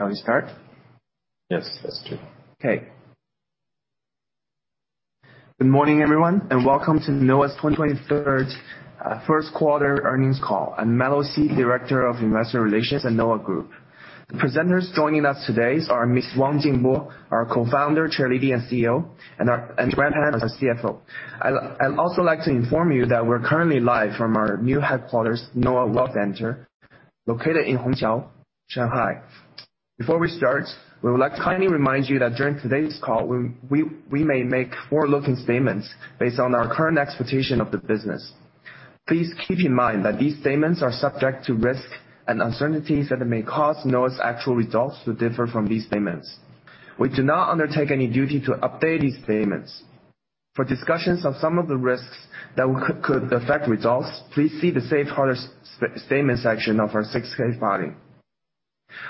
Okay. Good morning, everyone, welcome to Noah's 2023 first quarter earnings call. I'm Melo Xi, Director of Investor Relations at Noah Group. The presenters joining us today are Miss Wang Jingbo, our Co-Founder, Chairlady, and CEO, and Grant Pan, our CFO. I'd also like to inform you that we're currently live from our new headquarters, Noah Wealth Center, located in Hongqiao, Shanghai. Before we start, we would like to kindly remind you that during today's call, we may make forward-looking statements based on our current expectation of the business. Please keep in mind that these statements are subject to risks and uncertainties that may cause Noah's actual results to differ from these statements. We do not undertake any duty to update these statements. For discussions of some of the risks that could affect results, please see the Safe Harbor Statement section of our 6-K filing.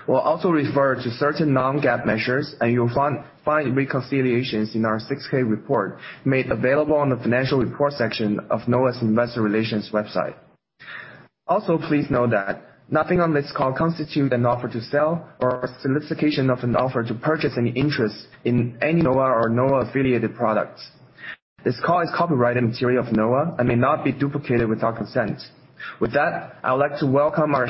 We'll also refer to certain non-GAAP measures, you'll find reconciliations in our 6-K report, made available on the Financial Report section of Noah's Investor Relations website. Please note that nothing on this call constitutes an offer to sell or a solicitation of an offer to purchase any interest in any Noah or Noah-affiliated products. This call is copyrighted material of Noah and may not be duplicated without consent. I would like to welcome our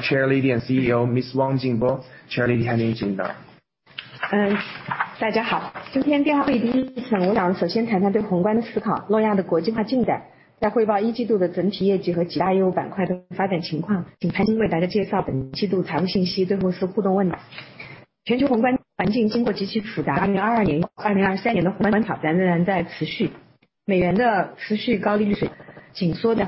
Chairlady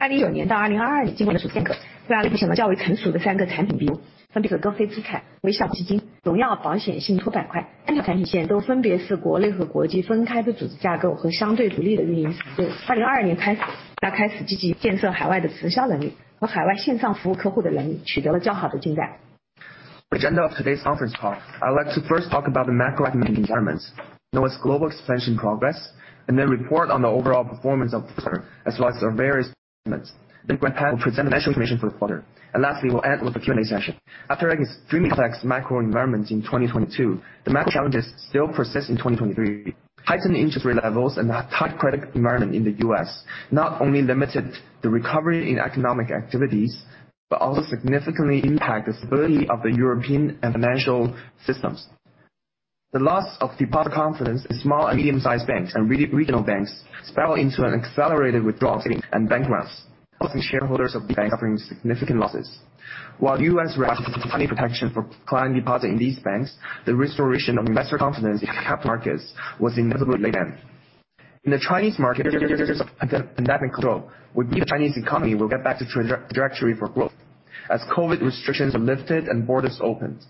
and CEO, Wang Jingbo. Chairlady, hand it over to you now. Hello, everyone. Today's conference call, first, I would like to talk about the macro thinking, Noah's progress in globalization, and report on the overall performance of the quarter, as well as our various business sectors. Grant Pan will introduce the financial information for the quarter. Lastly, we'll end with the Q&A session. The global macro environment has been extremely difficult. The macro challenges of 2022 and 2023 are still persistent. The continued high interest rates of the U.S. dollar and the tightening of the financial environment not only restrict economic activity, but also have an impact on the European financial system, causing some regional banks to evolve into accelerated withdrawals of deposit assets. Holders of these bank stocks have suffered losses. Although the U.S. authorities have provided timely protection for deposits in difficult banks, the customer information of wealth management will inevitably be leaked. In China, after three years of epidemic prevention and control, with the lifting of prevention and control measures and the opening of borders, we believe that China's economy will return to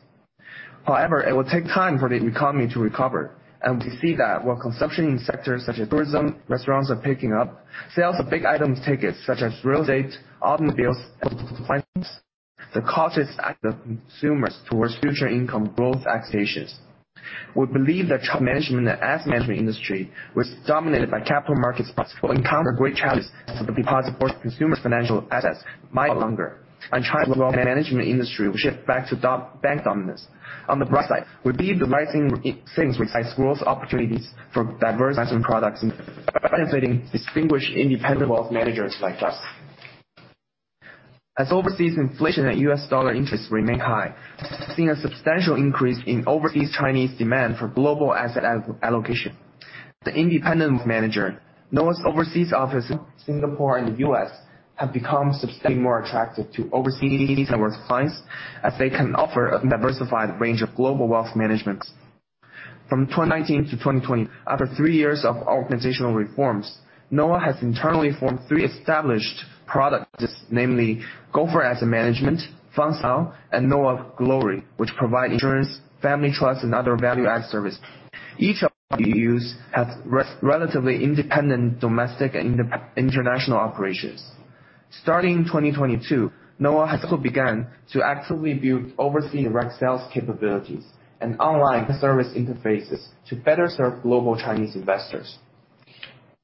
the track of growth. Economic recovery takes time. We see that although consumer spending in sectors such as tourism and catering is recovering, the sales of big-ticket items such as automobiles, real estate, and home appliances remain weak, which directly reflects consumers' prudent attitude towards income growth expectations. I think that China's private bank and wealth management industry, dominated by product wealth management, will face some challenges. Residents' financial assets in the form of bank deposits may be more valuable, and China's wealth management industry may return to the era of bank dominance. On the positive side, we see that the rapid rise in deposit rates will provide opportunities for the future development of wealth management, which will also help Noah's development of wealth management models with unique characteristics. Due to high inflation and high U.S. dollar interest rates, we see a significant increase in the demand for global assets from overseas Chinese. Noah Wealth Management has established branches in Singapore and the U.S. Due to the ability to provide more diversified financial products, the attractiveness to overseas Chinese with high net worth has increased significantly. From 2019 to 2022, Noah has gone through a period of transformation. Noah has relatively mature three product lines, including Gopher Asset Management, Fund Smile, and Noah Glory, which provide insurance, family trust, and other value-added services. Each of these has relatively independent domestic and international operations. Starting in 2022, Noah has also began to actively build overseas direct sales capabilities and online service interfaces to better serve global Chinese investors.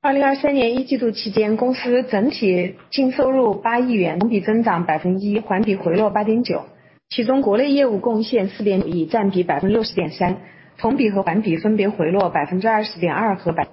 2023年一季度期 间， 公司整体净收入八亿 元， 同比增长百分之 一， 环比回落八点九。其中国内业务贡献四点五 亿， 占比百分之六十点 三， 同比和环比分别回落百分之二十点二和百。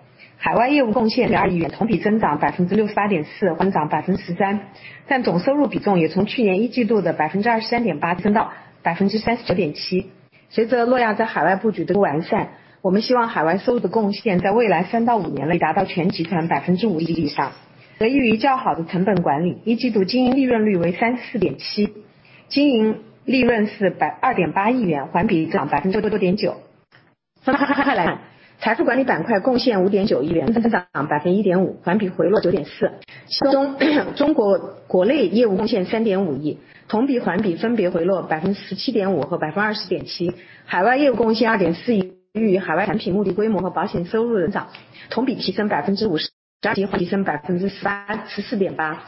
海外业务贡献二亿 元， 同比增长百分之六十八点 四， 环涨百分之十三。但总收入比重也从去年一季度的百分之二十三点八增到百分之三十九点七。随着诺亚在海外布局的完 善， 我们希望海外收入的贡献在未来三到五年内达到全集团百分之五以上。得益于较好的成本管 理， 一季度经营利润率为三十四点 七， 经营利润是百二点八亿 元， 环比增长百分之十九点九。再来财富管理板块贡献五点九亿 元， 增长百分之一点 五， 环比回落九点四。其中中国国内业务贡献三点五 亿， 同比环比分别回落百分之十七点五和百分之二十点 七， 海外业务贡献二点四 亿， 由于海外产品目的规模和保险收入增 长， 同比提升百分之五 十， 环比提升百分之十 三， 十四点八。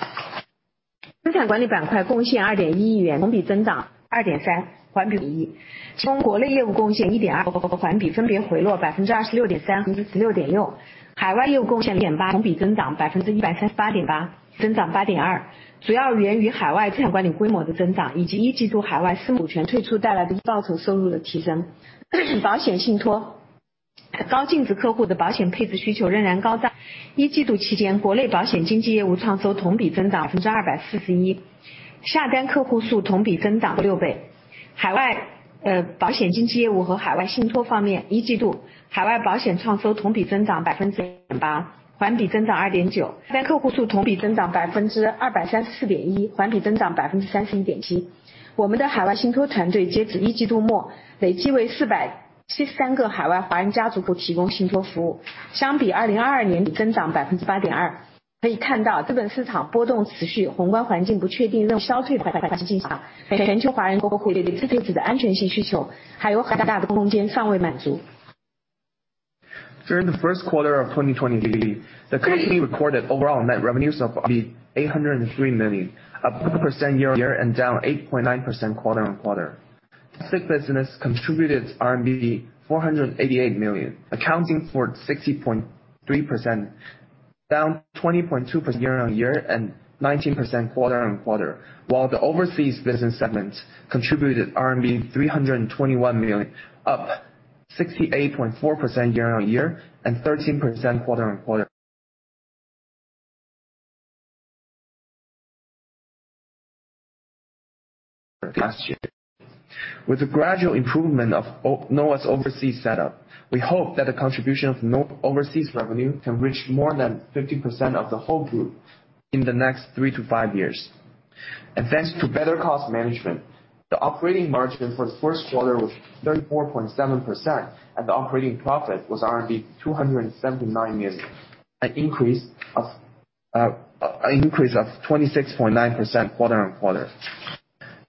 资产管理板块贡献二点一亿 元， 同比增长二点 三， 环比一。其中国内业务贡献一 点， 环比分别回落百分之二十六点 三， 百分之十六点六。海外业务贡献点 八， 同比增长百分之一百三十八点 八， 增长八点二。主要源于海外资产管理规模的增 长， 以及一季度海外私募权退出带来的报酬收入的提升。保险信托。高净值客户的保险配置需求仍然高涨。一季度期 间， 国内保险经纪业务创收同比增加百分之二百四十 一， 下单客户数同比增长六倍。海外、呃， 保险经纪业务和海外信托方 面， 一季度海外保险创收同比增长百分之 八， 环比增长二点 九， 客户数同比增长百分之二百三十四点 一， 环比增长百分之三十一点七。我们的海外信托团队截至一季度 末， 累计为四百七十三个海外华人家族提供信托服 务， 相比2022年底增长百分之八点二。可以看 到， 资本市场波动持 续， 宏观环境不确 定， 仍消退。全球华人对自身的安全需求还有很大的空间尚未满足。During the first quarter of 2023, the company recorded overall net revenues of 803 million, up % year-on-year, and down 8.9% quarter-on-quarter. Domestic business contributed RMB 488 million, accounting for 60.3%, down with no interest bearing debt year-on-year, and 19% quarter-on-quarter, while the overseas business segment contributed RMB 321 million, up 68.4% year-on-year and 13% quarter-on-quarter. With the gradual improvement of Noah's overseas setup, we hope that the contribution of overseas revenue can reach more than 50% of the whole group in the next three-five years. Thanks to better cost management, the operating margin for the first quarter was 34.7%, and the operating profit was 279 million, an increase of 26.9% quarter-on-quarter.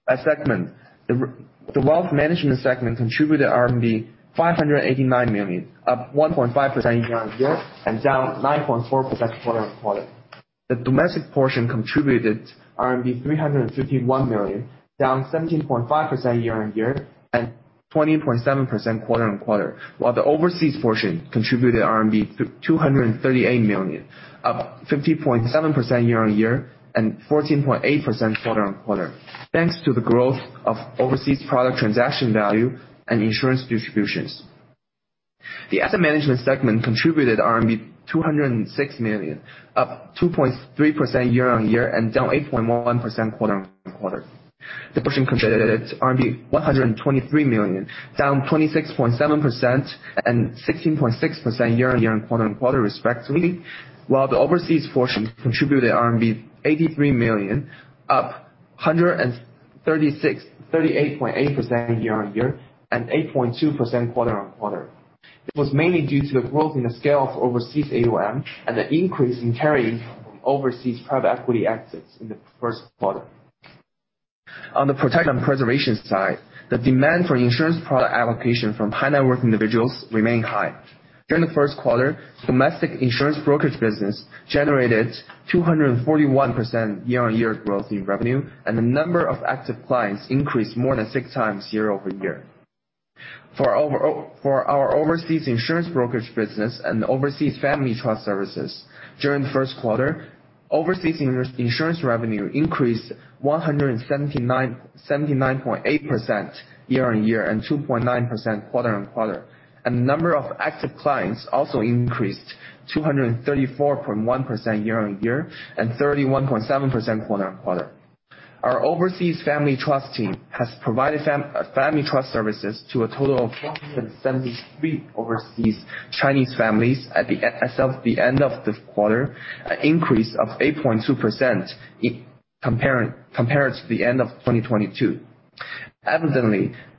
By segment, the wealth management segment contributed RMB 589 million, up 1.5% year-on-year, and down 9.4% quarter-on-quarter. The domestic portion contributed RMB 351 million, down 17.5% year-on-year, and 20.7% quarter-on-quarter, while the overseas portion contributed RMB 238 million, up 50.7% year-on-year, and 14.8% quarter-on-quarter. Thanks to the growth of overseas product transaction value and insurance distributions. The asset management segment contributed RMB 206 million, up 2.3% year-on-year, and down 8.1% quarter-on-quarter. The portion contributed RMB 123 million, down 26.7% and 16.6% year-on-year and quarter-on-quarter, respectively, while the overseas portion contributed RMB 83 million, up 38.8% year-on-year and 8.2% quarter-on-quarter. It was mainly due to the growth in the scale of overseas AUM and the increase in carry overseas private equity exits in the first quarter. On the protection and preservation side, the demand for insurance product allocation from high net worth individuals remained high. During the first quarter, domestic insurance brokerage business generated 241% year-on-year growth in revenue, and the number of active clients increased more than 6 times year-over-year. For our overseas insurance brokerage business and overseas family trust services, during the first quarter, overseas insurance revenue increased 179.8% year-on-year and 2.9% quarter-on-quarter, and the number of active clients also increased 234.1% year-on-year and 31.7% quarter-on-quarter. Our overseas family trust team has provided family trust services to a total of 473 overseas Chinese families as of the end of the quarter, an increase of 8.2% compared to the end of 2022.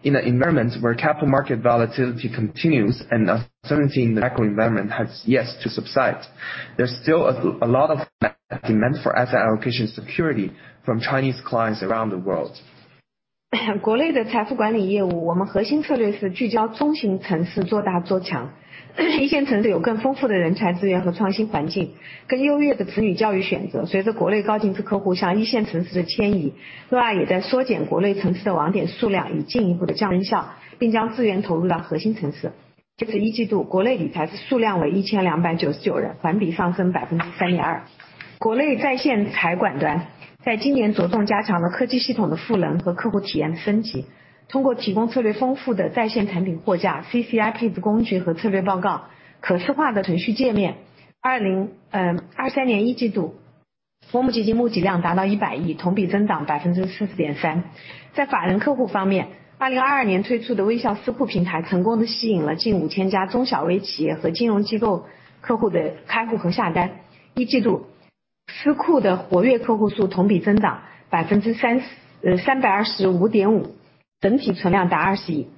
In an environment where capital market volatility continues and uncertainty in the macro environment has yet to subside, there's still a lot of demand for asset allocation security from Chinese clients around the world. 国内的财富管理业 务， 我们核心策略是聚焦中型城 市， 做大做强。一线城市有更丰富的人才资源和创新环境。更优越的子女教育选择。随着国内高净值客户向一线城市的迁 移， 诺亚也在缩减国内城市的网点数 量， 以进一步的降成本 效， 并将资源投入到核心城市。截止一季 度， 国内理财师数量为一千两百九十九 人， 同比上升百分之三点二。国内在线财管 端， 在今年主动加强了科技系统的赋能和客户体验的升 级， 通过提供策略丰富的在线产品报价、CCIP 的工具和策略报 告， 可视化的程序界 面， 二 零， 呃， 二三年一季 度， 基金募集量达到一百 亿， 同比增长百分之十四点三。在法人客户方 面， 二零二二年推出的微笑私库平 台， 成功地吸引了近五千家中小微企业和金融机构客户的开户和下单。一季度，私库的活跃客户数同比增长百分之三 十， 呃， 三百二十五点 五， 整体存量达二十亿。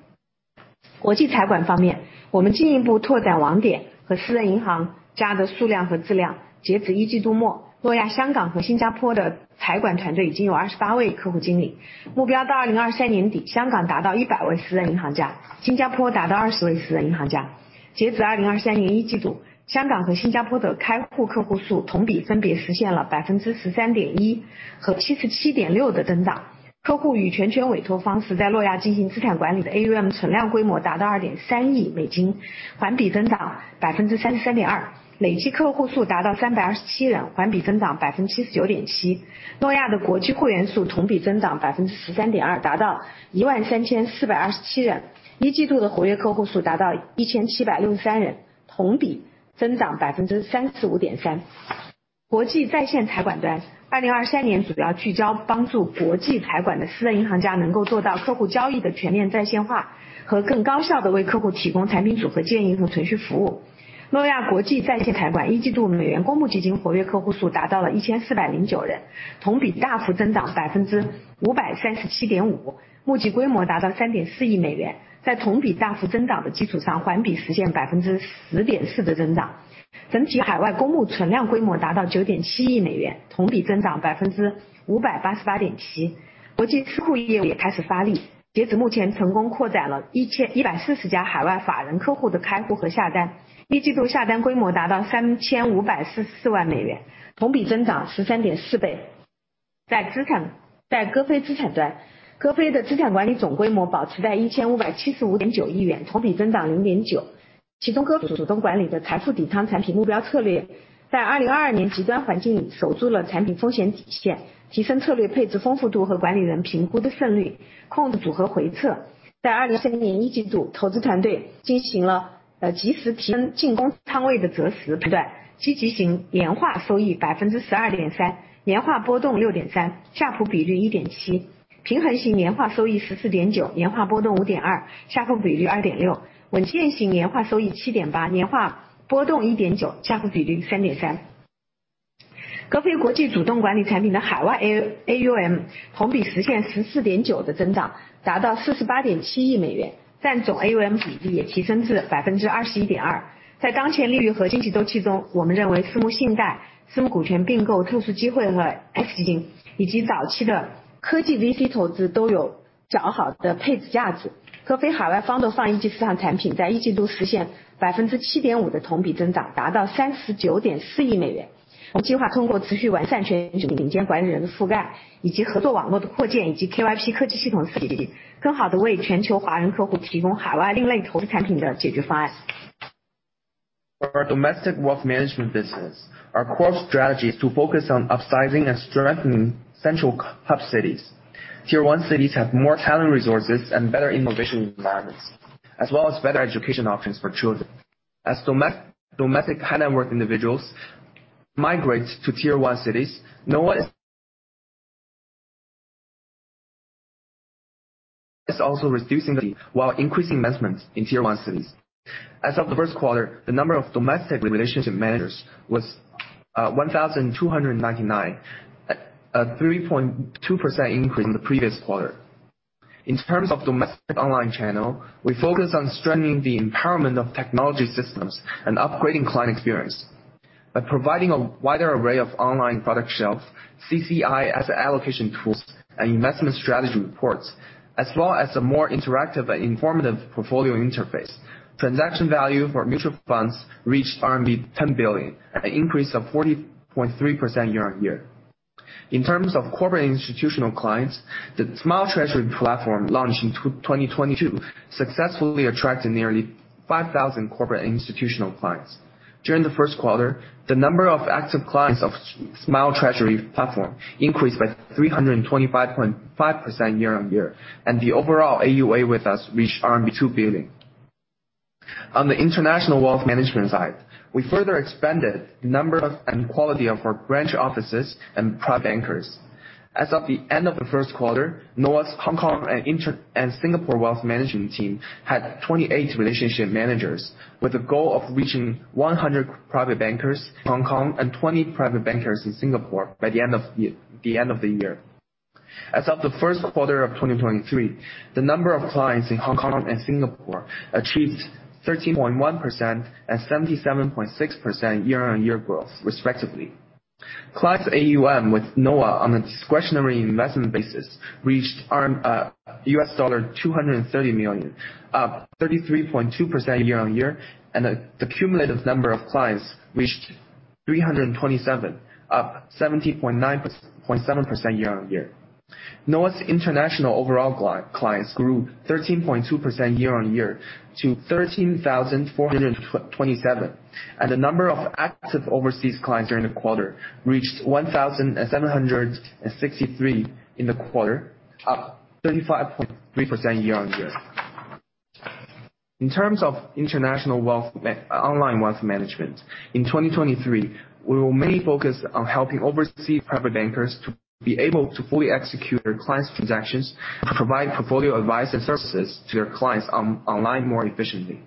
国际财管方 面， 我们进一步拓展网点和私人银行家的数量和质量。截止一季度 末， 诺亚香港和新加坡的财管团队已经有二十八位客户经理。目标到二零二三年 底， 香港达到一百位私人银行 家， 新加坡达到二十位私人银行家。截止二零二三年一季度，香港和新加坡的开户客户数同比分别实现了百分之十三点一和七十七点六的增长。客户与全权委托方式在诺亚进行资产管理的 AUM 存量规模达到二点三亿美 金， 环比增长百分之三十三点 二， 累计客户数达到三百二十七 人， 环比增长百分之七十九点七。诺亚的国际会员数同比增长百分之十三点 二， 达到一万三千四百二十七 人， 一季度的活跃客户数达到一千七百六十三 人， 同比增长百分之三十五点三。国际在线财管 端， 二零二三年主要聚焦帮助国际财管的私人银行 家， 能够做到客户交易的全面在线 化， 和更高效地为客户提供产品组合、建议和持续服务。诺亚国际在线财管一季度美元公募基金活跃客户数达到了一千四百零九 人， 同比大幅增长百分之五百三十七点 五， 募集规模达到三点四亿美元。在同比大幅增长的基础 上， 环比实现百分之十点四的增长。整体海外公募存量规模达到九点七亿美 元， 同比增长百分之五百八十八点七。国际私库业务也开始发 力， 截止目前成功扩展了一 千， 一百四十家海外法人客户的开户和下 单， 一季度下单规模达到三千五百四十四万美 元， 同比增长十三点四倍。在资 产， 在歌飞资产端，歌飞的资产管理总规模保持在一千五百七十五点九亿 元， 同比增长零点九。其 中， 歌飞主动管理的财富抵挡产品目标策 略， 在二零二二年极端环境守住了产品风险底 线， 提升策略配置丰富度和管理人评估的胜 率， 控制组合回撤。在二零二三年一季 度， 投资团队进行 了， 呃， 及时提升进攻仓位的择时判 断， 积极型年化收益百分之十二点 三， 年化波动六点 三， 夏普比例一点七。平衡型年化收益十四点 九， 年化波动五点 二， 夏普比例二点六。稳健型年化收益七点 八， 年化波动一点 九， 夏普比例三点三。歌飞国际主动管理产品的海外 A-AUM 同比实现十四点九的增 长， 达到四十八点七亿美 元， 占总 AUM 比例也提升至百分之二十一点二。在当前利率和经济周期 中， 我们认为私募信贷、私募股权并购、特殊机会和 X 型， 以及早期的科技 VC 投资都有较好的配置价值。歌飞海外方舟基金资产产品在一季度实现百分之七点五的同比增 长， 达到三十九点四亿美元。我们计划通过持续完善全球顶尖管理人的覆 盖， 以及合作网络的扩 建， 以及 KYP 科技系统升 级， 更好地为全球华人客户提供海外另类投资产品的解决方案。For our domestic wealth management business. Our core strategy is to focus on upsizing and strengthening central hub cities. Tier one cities have more talent, resources, and better innovation environments, as well as better education options for children. As domestic high net worth individuals migrate to Tier one cities, no one is also reducing the while increasing investments in Tier one cities. As of the first quarter, the number of domestic relationship managers was 1,299, a 3.2% increase in the previous quarter. In terms of domestic online channel, we focus on strengthening the empowerment of technology systems and upgrading client experience by providing a wider array of online product shelves, CCIP allocation tools and investment strategy reports, as well as a more interactive and informative portfolio interface. Transaction value for mutual funds reached RMB 10 billion, an increase of 40.3% year-on-year. In terms of corporate institutional clients, the Smile Treasury platform, launched in 2022, successfully attracted nearly 5,000 corporate institutional clients. During the first quarter, the number of active clients of Smile Treasury platform increased by 325.5% year-on-year. The overall AUA with us reached RMB 2 billion. On the international wealth management side, we further expanded the number of and quality of our branch offices and private bankers. As of the end of the first quarter, Noah's Hong Kong and Singapore wealth management team had 28 relationship managers, with the goal of reaching 100 private bankers in Hong Kong and 20 private bankers in Singapore by the end of the year. As of the first quarter of 2023, the number of clients in Hong Kong and Singapore achieved 13.1% and 77.6% year-on-year growth, respectively. Clients AUM with Noah on a discretionary investment basis reached $230 million, up 33.2% year-on-year, and the cumulative number of clients reached 327, up 17.9, 0.7% year-on-year. Noah's international overall clients grew 13.2% year-on-year to 13,427, and the number of active overseas clients during the quarter reached 1,763 in the quarter, up 35.3% year-on-year. In terms of international online wealth management, in 2023, we will mainly focus on helping overseas private bankers to be able to fully execute their clients' transactions, provide portfolio advice and services to their clients online more efficiently.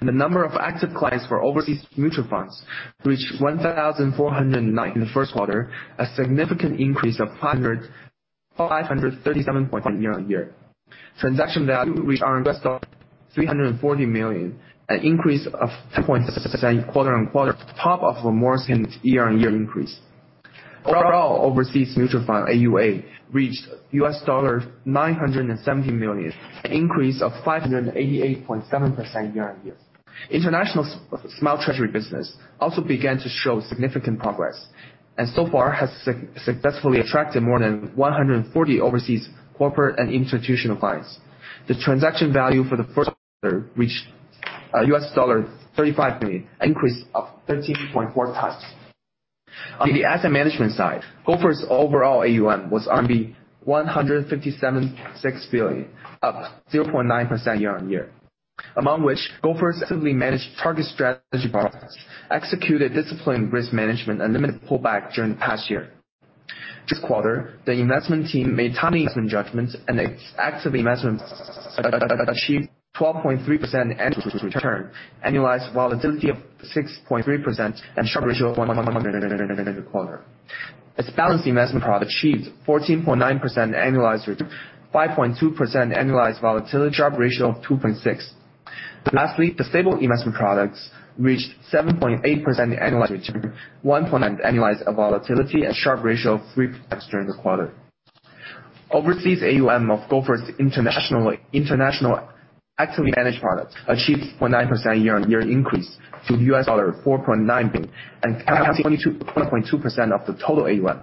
The number of active clients for overseas mutual funds reached 1,409 in the first quarter, a significant increase of 537.1 year-on-year. Transaction value reached $340 million, an increase of 2% quarter-on-quarter, top of a more significant year-on-year increase. Overall, overseas mutual fund AUA reached $970 million, an increase of 588.7% year-on-year. International Smile Treasury business also began to show significant progress, and so far has successfully attracted more than 140 overseas corporate and institutional clients. The transaction value for the first quarter reached $35 million, an increase of 13.4 times. On the asset management side, Gopher's overall AUM was RMB 157.6 billion, up 0.9% year-on-year. Among which, Gopher's actively managed target strategy products, executed disciplined risk management, and limited pullback during the past year. This quarter, the investment team made timely investment judgments and actively investment achieved 12.3% annual return, annualized, while a volatility of 6.3% and Sharpe ratio of 1.7. Its balanced investment product achieved 14.9% annualized return, 5.2% annualized volatility, Sharpe ratio of 2.6. Lastly, the stable investment products reached 7.8% annualized return, 1.9% annualized volatility, and Sharpe ratio of 3 during the quarter. Overseas AUM of Gopher's international actively managed products achieved 0.9% year-on-year increase to $4.9 billion, and 22.2% of the total AUM.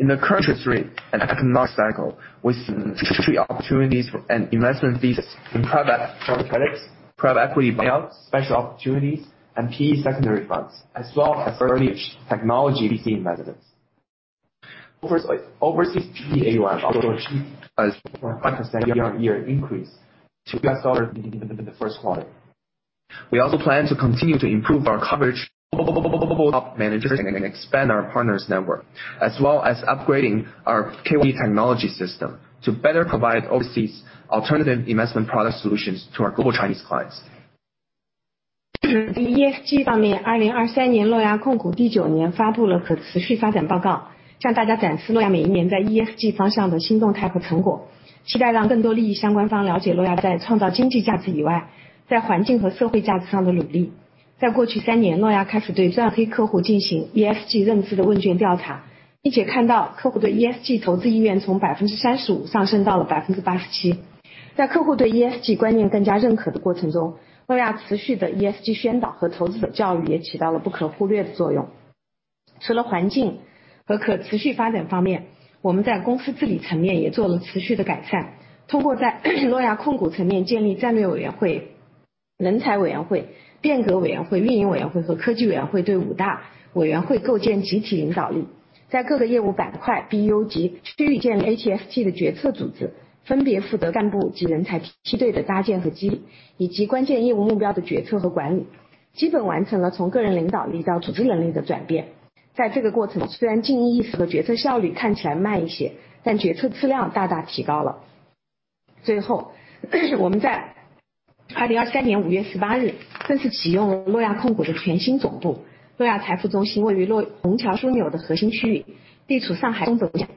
In the current interest rate and economic cycle, with opportunities and investment thesis in private credit, private equity buyout, special opportunities, and PE secondary funds, as well as early stage technology VC investments. Gopher's overseas PE AUM also achieved a 5% year-on-year increase to US dollar in the first quarter. We also plan to continue to improve our coverage managers and expand our partners network, as well as upgrading our KYP technology system to better provide overseas alternative investment product solutions to our global Chinese clients. ESG 方 面， 二零二三 年， 诺亚控股第九年发布了可持续发展报 告， 向大家展示诺亚每一年在 ESG 方向的新动态和成 果， 期待让更多利益相关方了解诺亚在创造经济价值以 外， 在环境和社会价值上的努力。在过去三 年， 诺亚开始对钻黑客户进行 ESG 认知的问卷调 查， 并且看到客户对 ESG 投资意愿从百分之三十五上升到了百分之八十七。在客户对 ESG 观念更加认可的过程 中， 诺亚持续的 ESG 宣导和投资者教育也起到了不可忽略的作用。除了环境和可持续发展方面，我们在公司治理层面也做了持续的改善。通过在诺亚控股层面建立战略委员会、人才委员会、变革委员会、运营委员会和科技委员 会， 对五大委员会构建集体领导力。在各个业务板块 ，BU 级区域建立 HSG 的决策组 织， 分别负责干部及人才梯队的搭建和激 励， 以及关键业务目标的决策和管 理， 基本完成了从个人领导力到组织能力的转变。在这个过 程， 虽然共识和决策效率看起来慢一 些， 但决策质量大大提高了。最 后， 我们在二零二三年五月十八日正式启用诺亚控股的全新总部。诺亚财富中心位于虹桥枢纽的核心区 域， 地处上海中轴 线，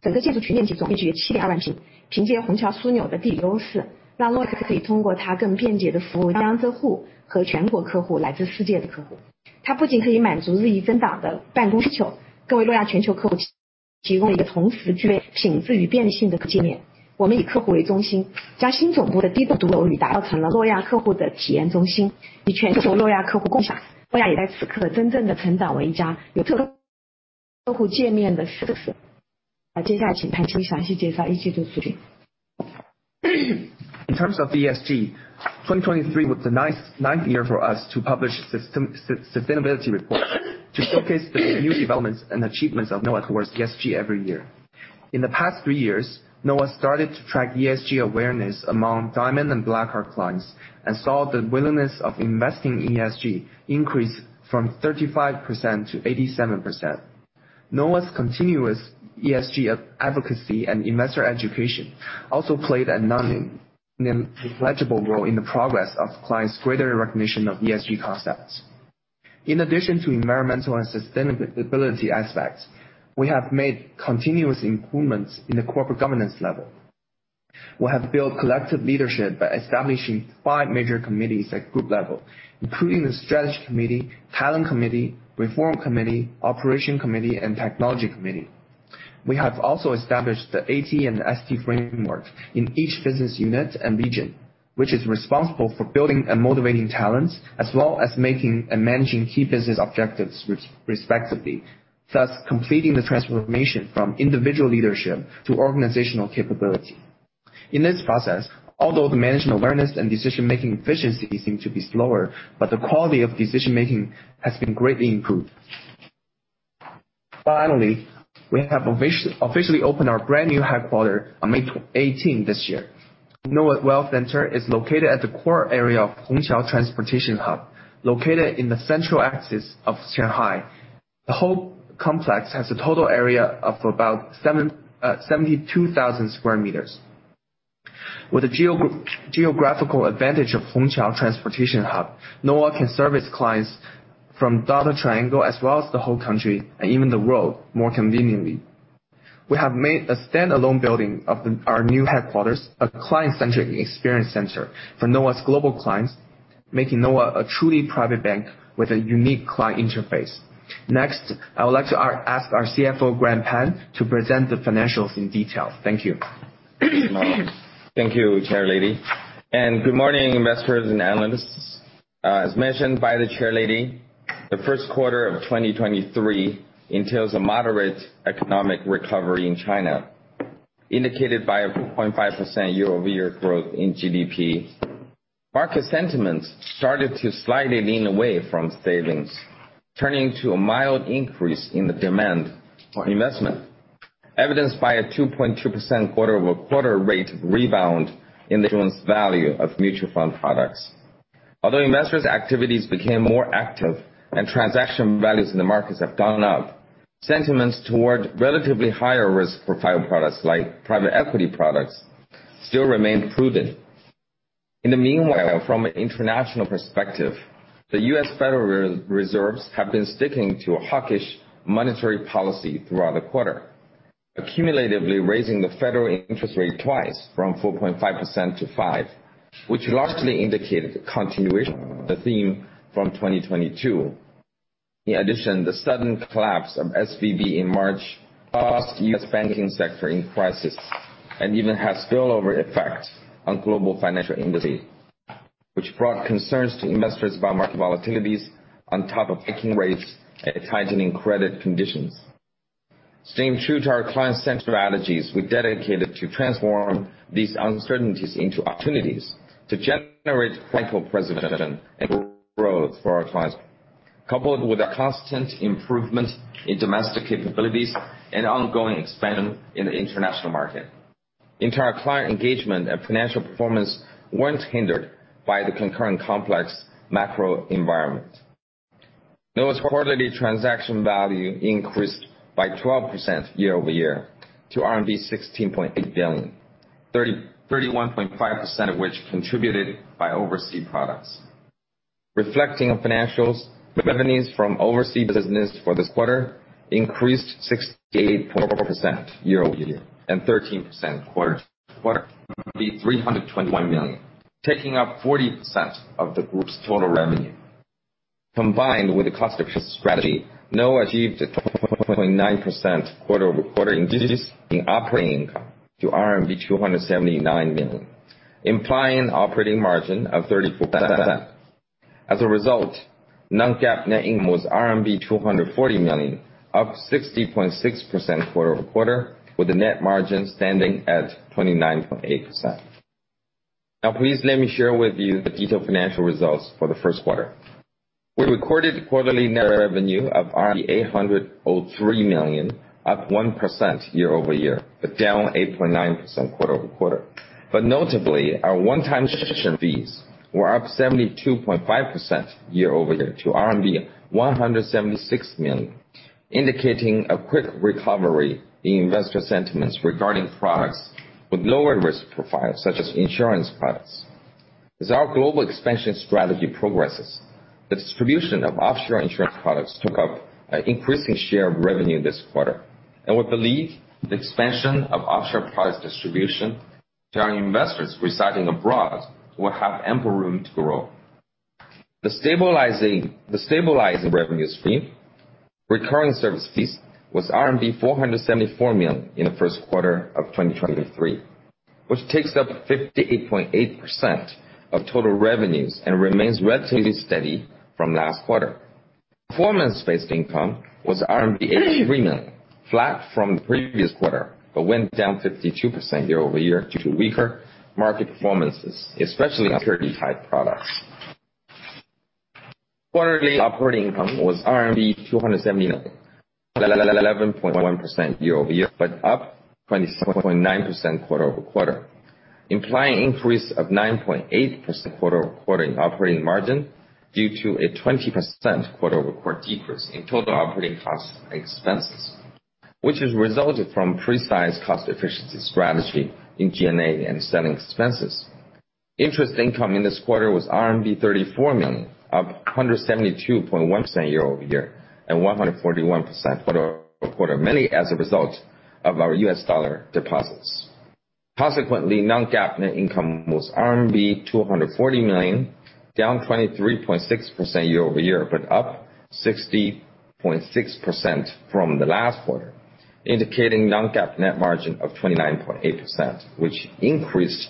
整个建筑群面积总面积七十二万平。凭借虹桥枢纽的地理优势，让诺亚可以通过它更便捷的服务长江客户和全国客 户， 来自世界的客户。它不仅可以满足日益增长的办公需 求， 更为诺亚全球客户提供了一个同时具备品质与便利性的界面。我们以客户为中 心， 将新总部的低部楼宇打造成了诺亚客户的体验中 心， 以全球诺亚客户共享。诺亚也在此刻真正地成长为一家有特殊客户界面的公司。接下来请潘青详细介绍一切资讯。In terms of ESG, 2023 was the ninth year for us to publish sustainability report, to showcase the new developments and achievements of Noah towards ESG every year. In the past three years, Noah started to track ESG awareness among Diamond and Black Card clients, and saw the willingness of investing in ESG increase from 35% to 87%. Noah's continuous ESG advocacy and investor education also played a non-negligible role in the progress of clients' greater recognition of ESG concepts. In addition to environmental and sustainability aspects, we have made continuous improvements in the corporate governance level. We have built collective leadership by establishing five major committees at group level, including the strategy committee, talent committee, reform committee, operation committee, and technology committee. We have also established the HSG framework in each business unit and region, which is responsible for building and motivating talents, as well as making and managing key business objectives, respectively, thus completing the transformation from individual leadership to organizational capability. In this process, although the management awareness and decision-making efficiency seem to be slower, the quality of decision-making has been greatly improved. Finally, we have officially opened our brand new headquarter on May 18th this year. Noah Wealth Center is located at the core area of Hongqiao Transportation Hub, located in the central axis of Shanghai. The whole complex has a total area of about 72,000 square meters. With the geographical advantage of Hongqiao Transportation Hub, Noah can service clients from Yangtze River Delta, as well as the whole country and even the world, more conveniently. We have made a standalone building, our new headquarters, a client-centric experience center for Noah's global clients, making Noah a truly private bank with a unique client interface. I would like to ask our CFO, Grant Pan, to present the financials in detail. Thank you. Thank you, Chairlady, and good morning, investors and analysts. As mentioned by the Chairlady, the first quarter of 2023 entails a moderate economic recovery in China, indicated by a 0.5% year-over-year growth in GDP. Market sentiments started to slightly lean away from savings, turning to a mild increase in the demand for investment, evidenced by a 2.2% quarter-over-quarter rate rebound in the insurance value of mutual fund products. Although investors activities became more active and transaction values in the markets have gone up, sentiments toward relatively higher risk profile products, like private equity products, still remain prudent. In the meanwhile, from an international perspective, the U.S. Federal Reserve have been sticking to a hawkish monetary policy throughout the quarter, accumulatively raising the federal interest rate twice from 4.5% to 5%, which largely indicated the continuation of the theme from 2022. In addition, the sudden collapse of SVB in March caused U.S. banking sector in crisis and even has spillover effects on global financial industry, which brought concerns to investors about market volatilities on top of hiking rates and tightening credit conditions. Staying true to our client-centric strategies, we dedicated to transform these uncertainties into opportunities to generate plentiful preservation and growth for our clients. Coupled with a constant improvement in domestic capabilities and ongoing expansion in the international market, entire client engagement and financial performance weren't hindered by the concurrent complex macro environment. Noah's quarterly transaction value increased by 12% year-over-year to RMB 16.8 billion, 31.5% of which contributed by overseas products. Reflecting on financials, revenues from overseas business for this quarter increased 68% year-over-year and 13% quarter-to-quarter, RMB 321 million, taking up 40% of the Noah Group's total revenue. Combined with the cost-efficient strategy, Noah achieved a 20.9% quarter-over-quarter increase in operating to RMB 279 million, implying operating margin of 34%. As a result, non-GAAP net income was RMB 240 million, up 60.6% quarter-over-quarter, with a net margin standing at 29.8%. Please let me share with you the detailed financial results for the first quarter. We recorded quarterly net revenue of 803 million, up 1% year-over-year, down 8.9% quarter-over-quarter. Notably, our one-time fees were up 72.5% year-over-year to RMB 176 million, indicating a quick recovery in investor sentiments regarding products with lower risk profiles, such as insurance products. As our global expansion strategy progresses, the distribution of offshore insurance products took up an increasing share of revenue this quarter, and we believe the expansion of offshore products distribution to our investors residing abroad will have ample room to grow. The stabilized revenue stream, recurring service fees, was RMB 474 million in the first quarter of 2023, which takes up 58.8% of total revenues and remains relatively steady from last quarter. Performance-based income was RMB 83 million, flat from the previous quarter, went down 52% year-over-year due to weaker market performances, especially on 30-type products. Quarterly operating income was RMB 270 million, 11.1% year-over-year, up 27.9% quarter-over-quarter, implying increase of 9.8% quarter-over-quarter in operating margin due to a 20% quarter-over-quarter decrease in total operating costs and expenses, which is resulted from precise cost efficiency strategy in G&A and selling expenses. Interest income in this quarter was RMB 34 million, up 172.1% year-over-year, 141% quarter-over-quarter, mainly as a result of our US dollar deposits. Consequently, non-GAAP net income was RMB 240 million, down 23.6% year-over-year, but up 60.6% from the last quarter, indicating non-GAAP net margin of 29.8%, which increased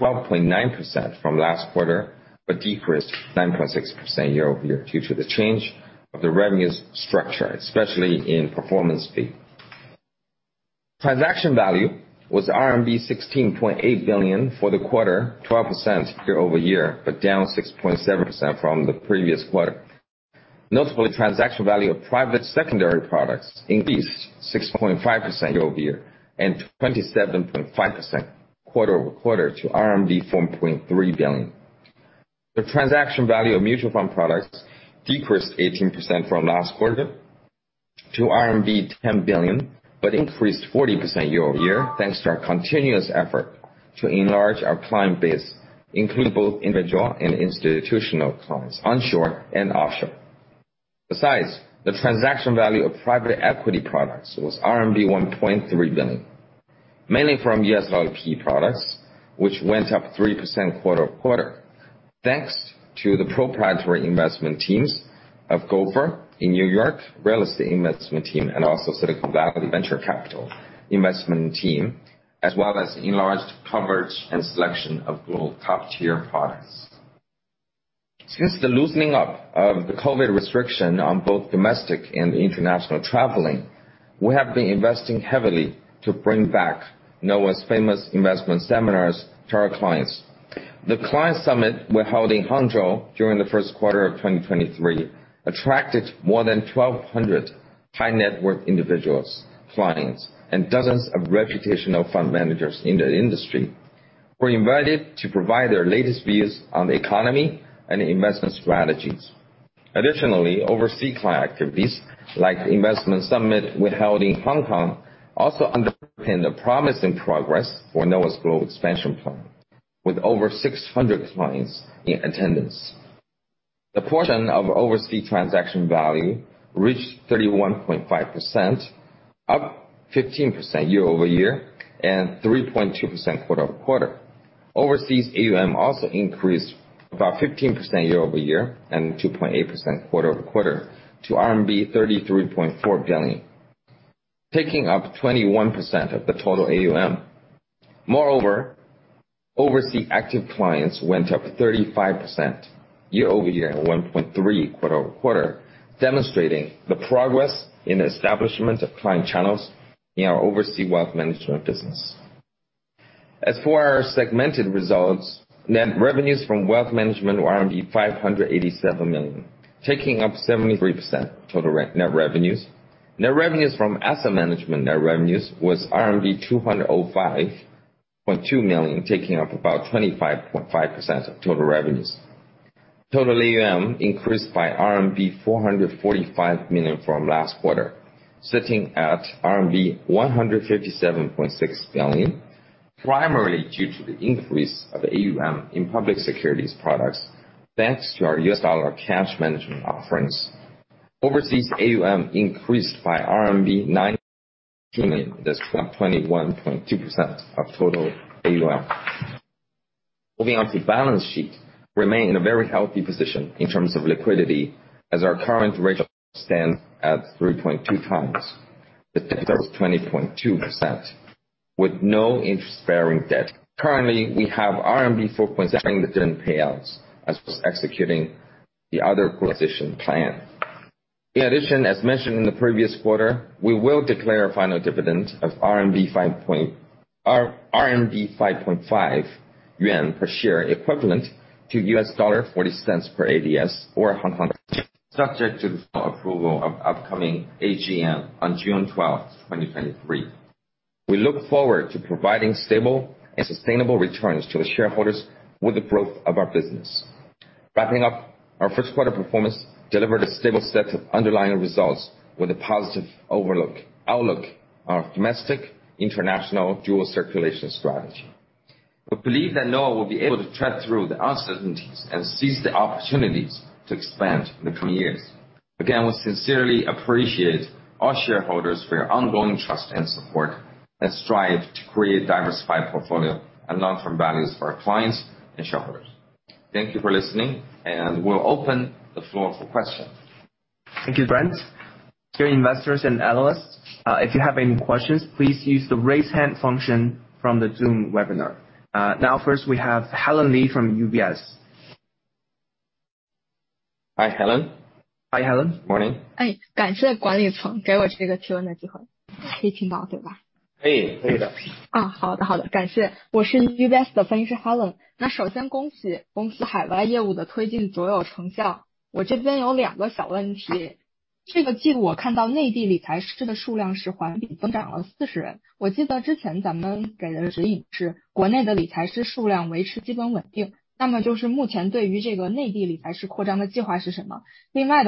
12.9% from last quarter, but decreased 9.6% year-over-year, due to the change of the revenues structure, especially in performance fee. Transaction value was RMB 16.8 billion for the quarter, 12% year-over-year, but down 6.7% from the previous quarter. Notably, transaction value of private secondary products increased 6.5% year-over-year and 27.5% quarter-over-quarter to 4.3 billion. The transaction value of mutual fund products decreased 18% from last quarter to RMB 10 billion, increased 40% year-over-year, thanks to our continuous effort to enlarge our client base, including both individual and institutional clients, onshore and offshore. The transaction value of private equity products was RMB 1.3 billion, mainly from US dollar PE products, which went up 3% quarter-over-quarter, thanks to the proprietary investment teams of Gopher in New York, real estate investment team, and also Silicon Valley Venture Capital investment team, as well as enlarged coverage and selection of global top-tier products. Since the loosening up of the COVID restriction on both domestic and international traveling, we have been investing heavily to bring back Noah's famous investment seminars to our clients. The client summit we held in Hangzhou during the first quarter of 2023, attracted more than 1,200 high net worth individuals, clients, and dozens of reputational fund managers in the industry, were invited to provide their latest views on the economy and investment strategies. Overseas client activities, like the investment summit we held in Hong Kong, also underpinned a promising progress for Noah's global expansion plan, with over 600 clients in attendance. The portion of overseas transaction value reached 31.5%, up 15% year-over-year, and 3.2% quarter-over-quarter. Overseas AUM also increased about 15% year-over-year and 2.8% quarter-over-quarter to RMB 33.4 billion, taking up 21% of the total AUM. Moreover, overseas active clients went up 35% year-over-year, and 1.3 quarter-over-quarter, demonstrating the progress in the establishment of client channels in our overseas wealth management business. As for our segmented results, net revenues from wealth management were 587 million, taking up 73% total net revenues. Net revenues from asset management was RMB 205.2 million, taking up about 25.5% of total revenues. Total AUM increased by RMB 445 million from last quarter, sitting at RMB 157.6 billion, primarily due to the increase of AUM in public securities products, thanks to our US dollar cash management offerings. Overseas AUM increased by RMB 9 million, that's 21.2% of total AUM. Moving on to balance sheet, remain in a very healthy position in terms of liquidity, as our current ratio stands at 3.2 times, with 20.2%, with no interest bearing debt. Currently, we have RMB 4.7 billion, as we're executing the other acquisition plan. As mentioned in the previous quarter, we will declare a final dividend of 5.5 yuan per share, equivalent to $0.40 per ADS or Hong Kong share, subject to the final approval of upcoming AGM on June 12, 2023. We look forward to providing stable and sustainable returns to our shareholders with the growth of our business. Wrapping up, our first quarter performance delivered a stable set of underlying results with a positive outlook on our domestic international dual circulation strategy. We believe that Noah will be able to tread through the uncertainties and seize the opportunities to expand in the coming years. Again, we sincerely appreciate all shareholders for your ongoing trust and support, and strive to create diversified portfolio and long-term values for our clients and shareholders. Thank you for listening, and we'll open the floor for questions. Thank you, Grant Pan. Dear investors and analysts, if you have any questions, please use the raise hand function from the Zoom webinar. Now, first, we have Helen Li from UBS. Hi, Helen. Hi, Helen. Morning. Hi, Thank you management for giving me this opportunity to ask questions. Can you hear me okay? Yes, we can. Oh, okay. Thank you. I am UBS analyst, Helen. First of all, congratulations on the progress of the company's overseas business, it is very effective. I have two small questions. This quarter, I saw that the number of domestic financial consultants increased by 40% year-on-year. I remember that the previous guidance we gave was that the number of domestic financial consultants would remain basically stable. What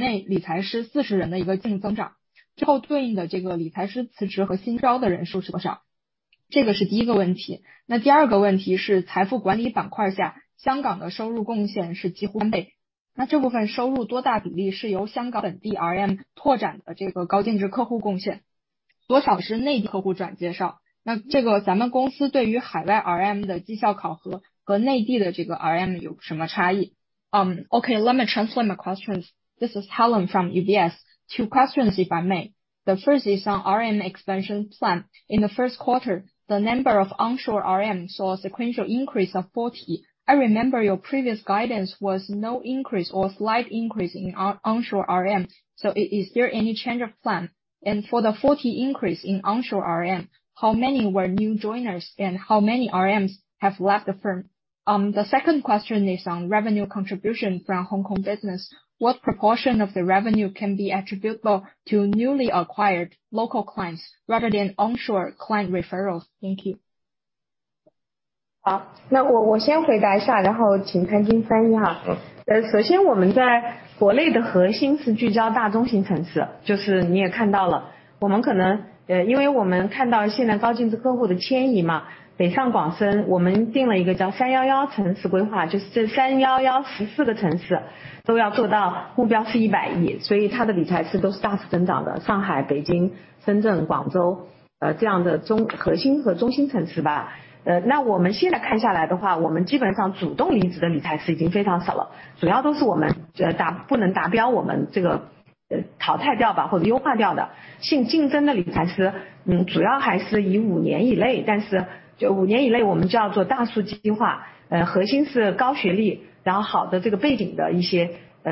is the current plan for the expansion of domestic financial consultants? In addition, for the net increase of 40 financial consultants domestically, how many financial consultants resigned and how many were hired? 这个是第一个问题。那第二个问题是财富管理板块 下， 香港的收入贡献是几乎翻 倍， 那这部分收入多大比例是由香港本地 RM 拓展的这个高净值客户贡 献， 多少是内地客户转介 绍？ 那这个咱们公司对于海外 RM 的绩效考核和内地的这个 RM 有什么差 异？ Okay, let me translate my questions. This is Helen from UBS. Two questions if I may. The first is on RM expansion plan. In the first quarter, the number of onshore RM saw a sequential increase of 40. I remember your previous guidance was no increase or slight increase in onshore RM. Is there any change of plan? For the 40 increase in onshore RM, how many were new joiners and how many RMs have left the firm? The second question is on revenue contribution from Hong Kong business. What proportion of the revenue can be attributable to newly acquired local clients rather than onshore client referrals? Thank you. 好， 我先回答一 下， 然后请潘总翻译哈。首先我们在国内的核心是聚焦大中型城 市， 就是你也看到 了， 我们可 能， 因为我们看到现在高净值客户的迁移 嘛， 北上广 深， 我们定了一个叫三幺幺城市规 划， 就是这三幺幺 14个城市都要做到目标是 RMB 10 billion， 所以它的理财师都是大幅增长的。上海、北京、深圳、广 州， 这样的核心和中心城市吧。我们现在看下来的 话， 我们基本上主动离职的理财师已经非常少 了， 主要都是我们觉得不能达 标， 我们淘汰掉 吧， 或者优化掉的。性竞争的理财 师， 主要还是以5年以 内， 但是就5年以内我们叫做 大树计划， 核心是高学 历， 然后好的这个背景的一 些，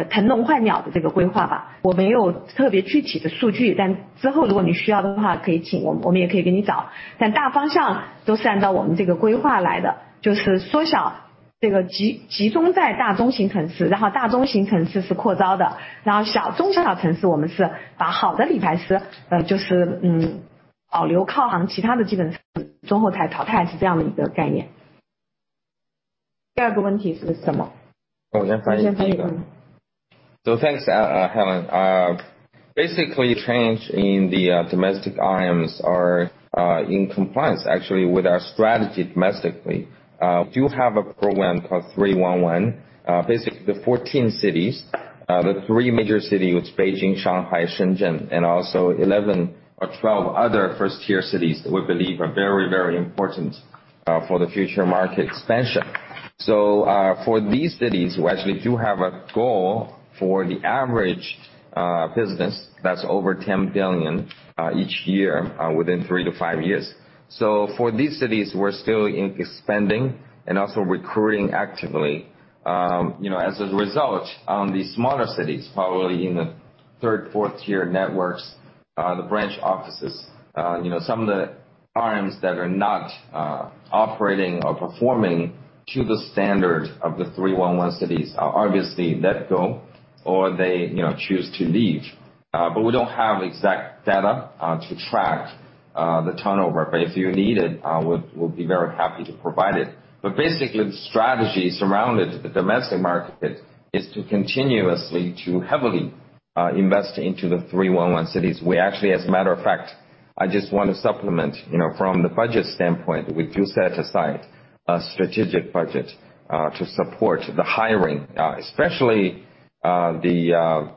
腾龙换鸟的这个规划吧。我们有特别具体的数 据， 之后如果你需要的 话， 可以请我 们， 我们也可以给你 找， 大方向都是按照我们这个规划来 的， 就是缩 小， 集中在大中型城 市， 大中型城市是扩招 的， 小， 中小小城 市， 我们是把好的理财 师， 就是保留靠 行， 其他的基本是中后台淘 汰， 是这样的一个概念。第2个问题是什 么？ 我先翻译。先翻 译. Thanks, Helen, basically change in the domestic RMs are in compliance actually with our strategy domestically. We do have a program called 311, basically the 14 cities, the 3 major cities, which Beijing, Shanghai, Shenzhen, and also 11 or 12 other first-tier cities that we believe are very, very important for the future market expansion. For these cities, we actually do have a goal for the average business that's over $10 billion each year within 3-5 years. For these cities, we're still expanding and also recruiting actively. You know, as a result, on these smaller cities, probably in the third-tier, fourth-tier networks, the branch offices, you know, some of the RMs that are not operating or performing to the standard of the 311 cities are obviously let go or they, you know, choose to leave. We don't have exact data to track the turnover, but if you need it, we'll be very happy to provide it. Basically, the strategy surrounded the domestic market is to continuously to heavily invest into the 311 cities. We actually, as a matter of fact, I just want to supplement, you know, from the budget standpoint, we do set aside a strategic budget to support the hiring, especially the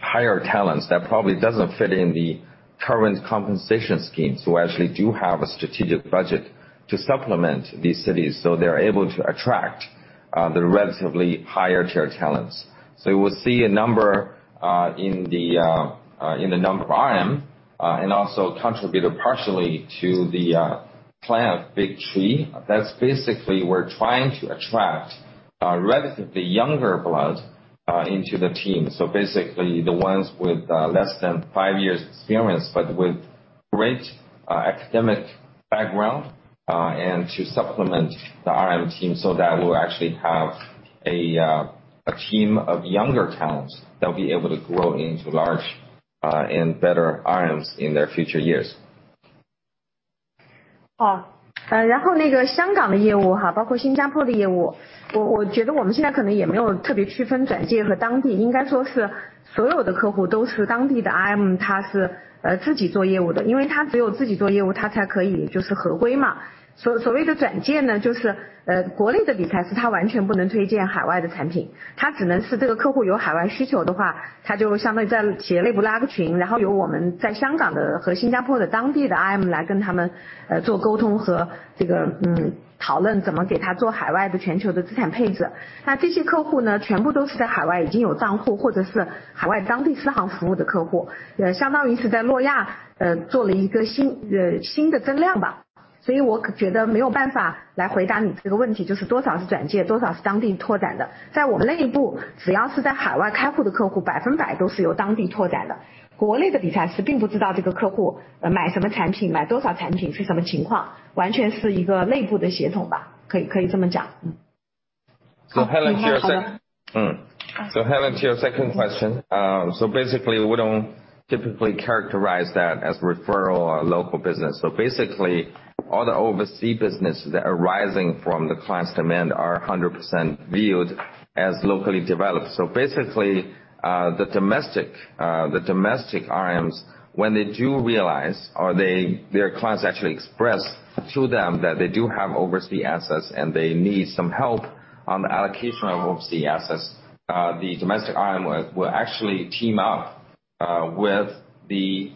higher talents that probably doesn't fit in the current compensation schemes. We actually do have a strategic budget to supplement these cities, they are able to attract the relatively higher tier talents. You will see a number in the number of RM and also contributed partially to the plan of big three. That's basically we're trying to attract relatively younger blood into the team. Basically, the ones with less than five years experience, but with great academic background and to supplement the RM team so that we'll actually have a team of younger talents that will be able to grow into large and better RMs in their future years. 好， 那个 Hong Kong 的业务 哈， 包括 Singapore 的业 务， 我觉得我们现在可能也没有特别区分转介和当 地， 应该说是所有的客户都是当地的 RM， 他是自己做业务 的， 因为他只有自己做业 务， 他才可 以， 就是合规嘛。所谓的转介 呢， 就是国内的理财师他完全不能推荐海外的产 品， 他只能是这个客户有海外需求的 话， 他就相当于在企业内部拉个 群， 然后由我们在 Hong Kong 的和 Singapore 的当地的 RM 来跟他们做沟通和这个讨论怎么给他做海外的全球的资产配置。这些客户 呢， 全部都是在海外已经有账 户， 或者是海外当地私行服务的客 户， 相当于是在 Noah 做了一个新的增量吧。我觉得没有办法来回答你这个问 题， 就是多少是转 介， 多少是当地拓展的。在我们内 部， 只要是在海外开户的客 户， 百分百都是由当地拓展的。国内的理财师并不知道这个客 户， 买什么产 品， 买多少产品是什么情 况， 完全是一个内部的协同 吧， 可以这么讲。Helen, to your second question. Basically, we don't typically characterize that as referral or local business. Basically, all the overseas business that arising from the client's demand are 100% viewed as locally developed. Basically, the domestic RMs, when they do realize or their clients actually express to them that they do have overseas assets, and they need some help on the allocation of overseas assets, the domestic RM will actually team up with the,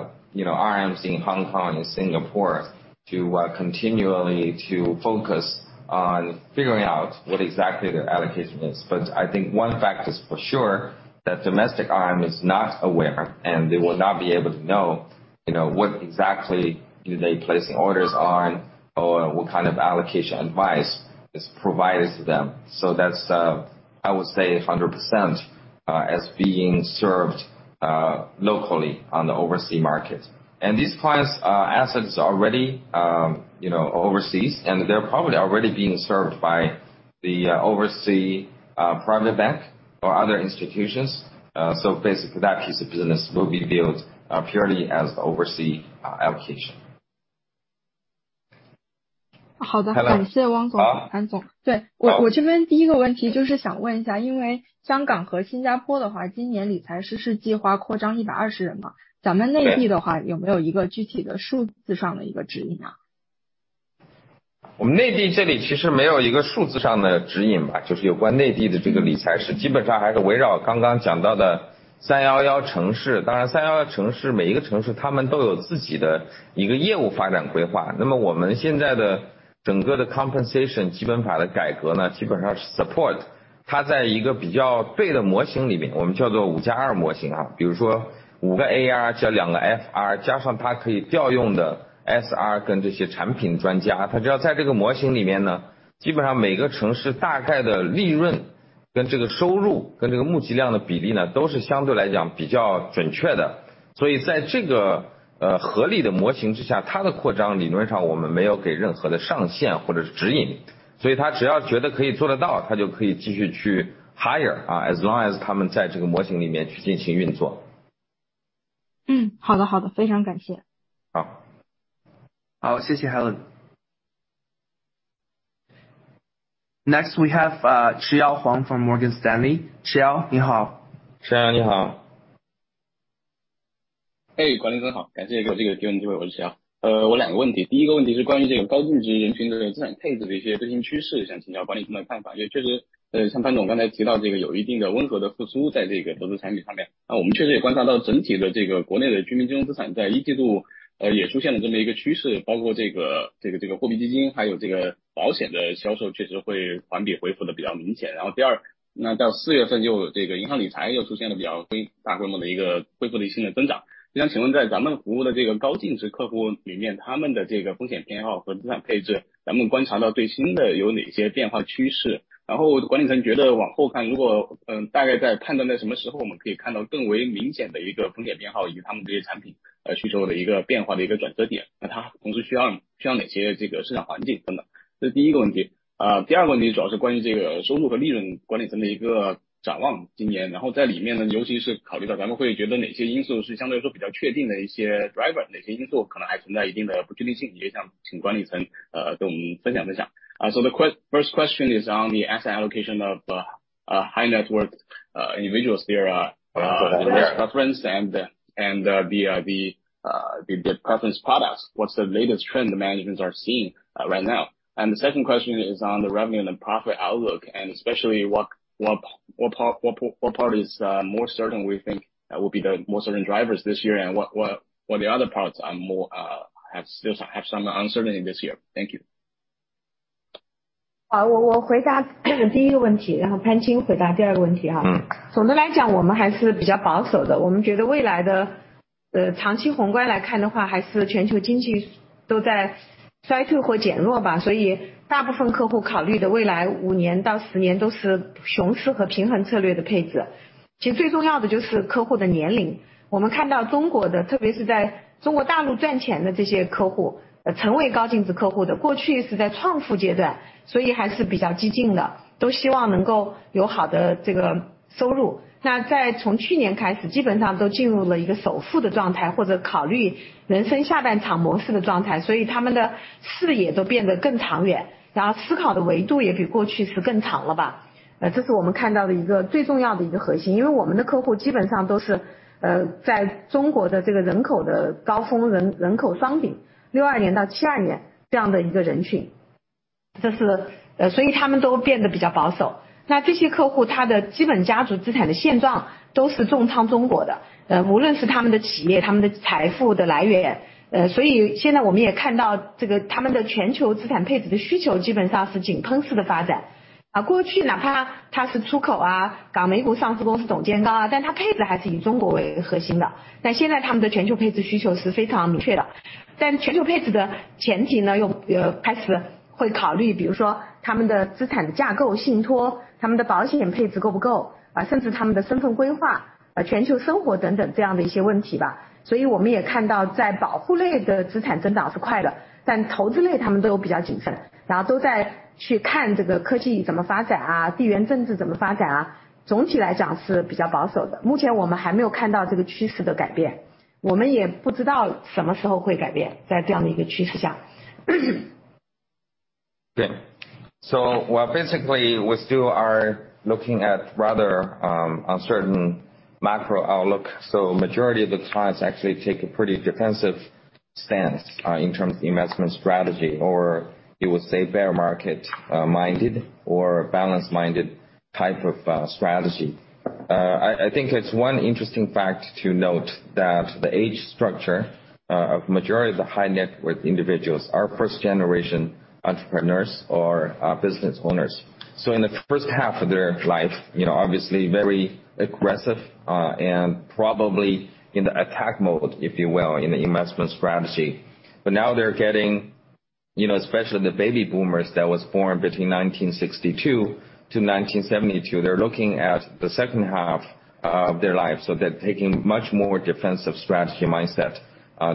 you know, RMs in Hong Kong and Singapore to continually to focus on figuring out what exactly their allocation is. One fact is for sure, that domestic RM is not aware, and they will not be able to know, you know, what exactly do they placing orders on or what kind of allocation advice is provided to them. That's, I would say 100% as being served locally on the overseas market. These clients, assets are already, you know, overseas, and they're probably already being served by the overseas private bank or other institutions. That piece of business will be billed purely as the overseas allocation. 感谢 Chairlady Wang 和 Mr. Pan. 对, 我这边第一个问题就是想问 一下, 因为 Hong Kong 和 Singapore 的话, 今年理财师是计划扩张 120人 嘛, 咱们内地的话有没有一个具体的数字上的一个指引 啊? 我们内地这里其实没有一个数字上的指引 吧， 就是有关内地的这个理财 师， 基本上还是围绕刚刚讲到的三幺幺城市。当然三幺幺城市每一个城市它们都有自己的一个业务发展规 划， 那么我们现在的整个的 compensation 基本法的改革 呢， 基本上是 support。它在一个比较对的模型里 面， 我们叫做五加二模型 啊， 比如说五个 AR 加两个 FR， 加上它可以调用的 SR 跟这些产品专 家， 它只要在这个模型里面 呢， 基本上每个城市大概的利润跟这个收 入， 跟这个募集量的比例 呢， 都是相对来讲比较准确的。所以在这 个， 呃， 合理的模型之 下， 它的扩张理论上我们没有给任何的上限或者是指 引， 所以它只要觉得可以做得 到， 它就可以继续去 hire as long as 他们在这个模型里面去进行运作。好 的， 好 的， 非常感谢。好. 好， 谢谢 Helen。Next we have， 齐耀黄 from Morgan Stanley。齐 耀， 你好。齐 耀， 你好。诶， 管理层 好， 感谢给我这个提问的机 会， 我是齐耀。呃， 我有两个问 题， 第一个问题是关于这个高净值人群的资产配置的一些最新趋 势， 想请教管理层的看法。也确实， 呃， 像潘总刚才提 到， 这个有一定的温和的复苏在这个投资产品上 面， 那我们确实也观察到整体的这个国内的居民金融资产在一季 度， 呃， 也出现了这么一个趋 势， 包括这 个， 这个货币基 金， 还有这个保险的销售确实会环比恢复得比较明显。然后第 二， 那到四月份又这个银行理财又出现了比较大规模的一个恢复力新的增长。想请问在咱们服务的这个高净值客户里 面， 他们的这个风险偏好和资产配 置， 咱们观察到最新的有哪些变化趋 势？ 然后管理层觉得往后 看， 如 果， 嗯， 大概在判断在什么时候我们可以看到更为明显的一个风险偏 好， 以及他们这些产品需求的一个变化的一个转折 点， 那它同时需要需要哪些这个市场环境等等。这是第一个问题。呃， 第二个问题主要是关于这个收入和利润管理层的一个展望今年。然后在里面 呢， 尤其是考虑到咱们会觉得哪些因素是相对来说比较确定的一些 driver， 哪些因素可能还存在一定的不确定 性， 也想请管理 层， 呃， 跟我们分享分享。Uh, so the first question is on the asset allocation of high net worth individuals. There are preference and the preference products. What's the latest trend the managements are seeing right now? The second question is on the revenue and the profit outlook, and especially what part is more certain we think will be the more certain drivers this year and what the other parts are more have, still have some uncertainty this year. Thank you. 好， 我， 我回答第一个问 题， 然后潘青回答第二个问题哈。总的来 讲， 我们还是比较保守 的， 我们觉得未来 的， 呃， 长期宏观来看的 话， 还是全球经济都在衰退或减弱 吧， 所以大部分客户考虑的未来五年到十年都是熊市和平衡策略的配 置， 其实最重要的就是客户的年龄。我们看到中国 的， 特别是在中国大陆赚钱的这些客 户， 成为高净值客户 的， 过去是在创富阶 段， 所以还是比较激进 的， 都希望能够有好的这个收入。那在从去年开 始， 基本上都进入了一个守富的状 态， 或者考虑人生下半场模式的状 态， 所以他们的视野都变得更长远，然后思考的维度也比过去是更长了吧。呃， 这是我们看到的一个最重要的一个核 心， 因为我们的客户基本上都 是， 呃， 在中国的人口的高 峰， 人， 人口双 顶， 六二年到七二年这样的一个人 群， 这是他们都变得比较保守。这些客户他的基本家族资产的现状都是重仓中国 的， 无论是他们的企 业， 他们的财富的来源。现在我们也看 到， 这个他们的全球资产配置的需求基本上是井喷式的发展。过去哪怕他是出 口， 港美股上市公司董事 长， 但他配置还是以中国为核心 的， 现在他们的全球配置需求是非常明确的。全球配置的前提 呢， 又开始会考 虑， 比如说他们的资产的架构信 托， 他们的保险配置够不 够， 甚至他们的身份规划、全球生活等等这样的一些问题吧。我们也看 到， 在保护类的资产增长是快 的， 投资类他们都有比较谨 慎， 然后都在去看这个科技怎么发 展， 地缘政治怎么发 展， 总体来讲是比较保守 的， 目前我们还没有看到这个趋势的改变。We also don't know when it will change in such a trend. Yeah. Well, basically, we still are looking at rather uncertain macro outlook. Majority of the clients actually take a pretty defensive stance in terms of investment strategy, or you would say, bear market minded or balance-minded type of strategy. I think it's one interesting fact to note that the age structure of majority of the high net worth individuals are first-generation entrepreneurs or business owners. In the first half of their life, you know, obviously very aggressive and probably in the attack mode, if you will, in the investment strategy. Now they're getting, you know, especially the baby boomers that was born between 1962 to 1972, they're looking at the second half of their lives, so they're taking much more defensive strategy mindset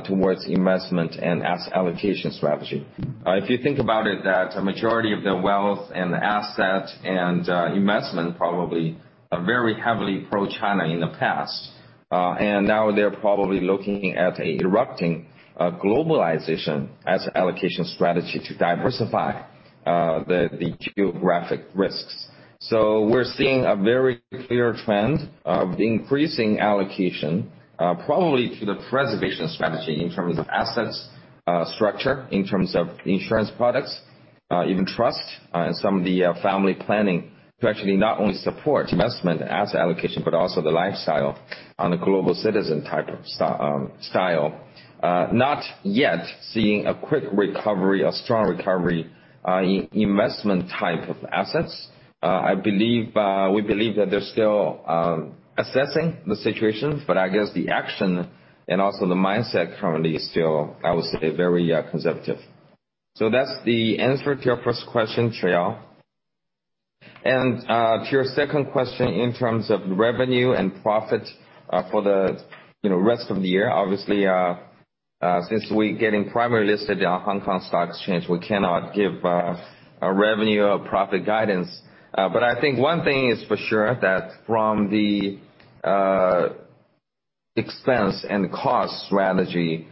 towards investment and asset allocation strategy. If you think about it, that a majority of the wealth and asset and investment probably are very heavily pro-China in the past, and now they're probably looking at a erupting globalization as allocation strategy to diversify the geographic risks. We're seeing a very clear trend of increasing allocation, probably to the preservation strategy in terms of assets, structure, in terms of insurance products, even trust, and some of the family planning to actually not only support investment as allocation, but also the lifestyle on a global citizen type of style. Not yet seeing a quick recovery, a strong recovery, in investment type of assets. I believe, we believe that they're still assessing the situation, but I guess the action and also the mindset currently is still, I would say, very conservative. That's the answer to your first question, Chao. To your second question, in terms of revenue and profit, for the, you know, rest of the year, obviously, since we're getting primary listed on Hong Kong Stock Exchange, we cannot give a revenue or profit guidance. I think one thing is for sure, that from the expense and cost strategy,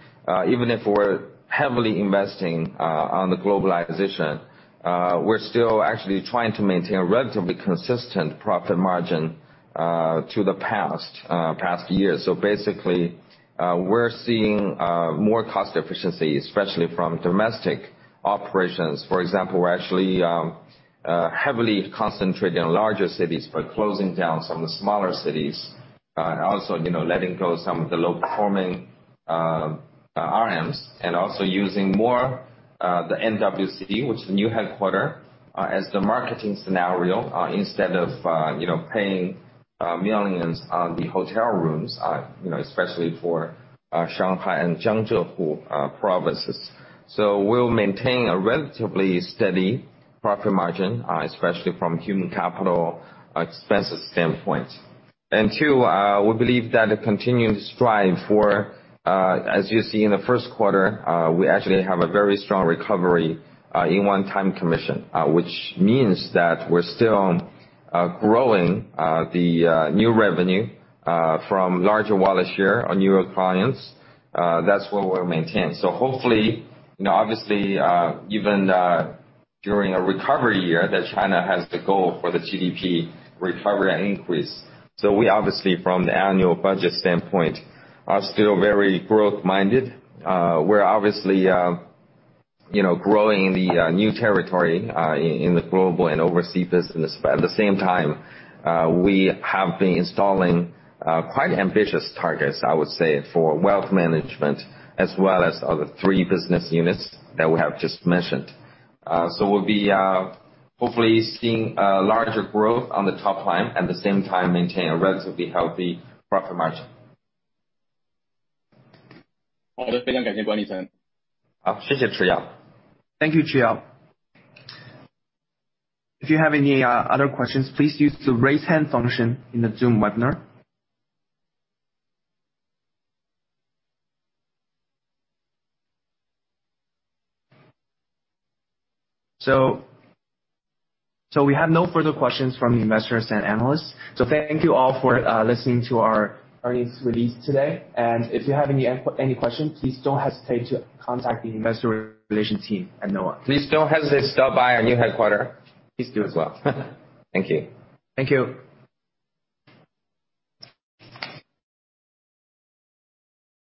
even if we're heavily investing on the globalization, we're still actually trying to maintain a relatively consistent profit margin to the past years. Basically, we're seeing more cost efficiency, especially from domestic operations. For example, we're actually heavily concentrated in larger cities, but closing down some of the smaller cities, and also, you know, letting go some of the low-performing RMs, and also using more the NWC, which is the new headquarter as the marketing scenario instead of, you know, paying millions on the hotel rooms, you know, especially for Shanghai and Jiangsu provinces. We'll maintain a relatively steady profit margin, especially from human capital expenses standpoint. Two, we believe that. As you see in the first quarter, we actually have a very strong recovery in one-time commission, which means that we're still growing the new revenue from larger wallet share on newer clients. That's what we'll maintain. Hopefully, you know, obviously, even during a recovery year, that China has the goal for the GDP recovery and increase. We obviously, from the annual budget standpoint, are still very growth-minded. We're obviously, you know, growing in the new territory, in the global and overseas business. At the same time, we have been installing quite ambitious targets, I would say, for wealth management as well as other three business units that we have just mentioned. We'll be, hopefully seeing a larger growth on the top line, at the same time, maintain a relatively healthy profit margin. Thank you, Chao. Thank you, Chao. If you have any other questions, please use the Raise Hand function in the Zoom webinar. We have no further questions from the investors and analysts. Thank you all for listening to our earnings release today. If you have any questions, please don't hesitate to contact the investor relations team at NOA. Please don't hesitate to stop by our new headquarters. Please do as well. Thank you. Thank you.